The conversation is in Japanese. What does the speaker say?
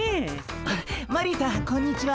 あっマリーさんこんにちは。